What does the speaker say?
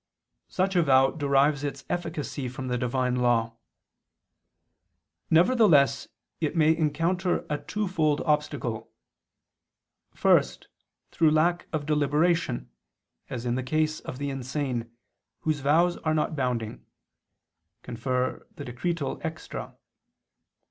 Such a vow derives its efficacy from the divine law. Nevertheless it may encounter a twofold obstacle. First, through lack of deliberation, as in the case of the insane, whose vows are not binding [*Extra, De Regular. et Transeunt. ad Relig., cap. Sicut tenor].